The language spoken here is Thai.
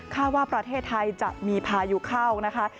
ว่าประเทศไทยจะมีพายุเข้านะคะ